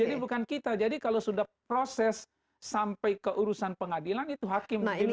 jadi bukan kita jadi kalau sudah proses sampai keurusan pengadilan itu hakim di luar djki